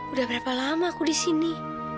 udah berapa lama aku di sini